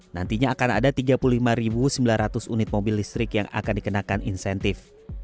nantinya akan ada tiga puluh lima sembilan ratus unit mobil listrik yang akan dikenakan insentif